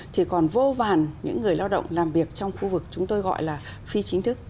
thì còn vô vàn những người lao động làm việc trong khu vực chúng tôi gọi là phi chính thức